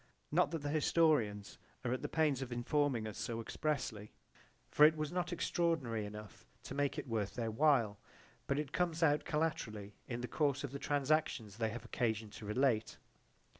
Not that the historians are at the pains of informing us so expressly, for it was not extraordinary enough to make it worth their while, but it comes out collaterally in the course of the transactions they have occasion to relate.